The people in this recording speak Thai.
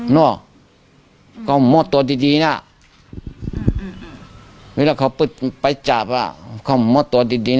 แล้วเขาเคยมีปัญหากับคนตายมาก่อนไหมครับ